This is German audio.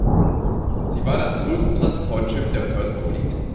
Sie war das größte Transportschiff der First Fleet.